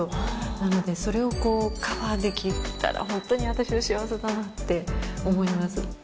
なのでそれをこうカバーできたらホントに私は幸せだなって思います。